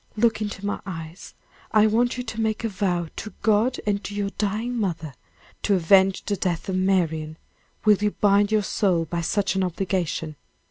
Look into my eyes. I want you to make a vow to God and to your dying mother, to avenge the death of Marian. Will you bind your soul by such an obligation?"